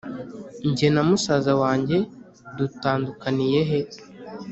jye na musaza wanjye dutandukaniyehe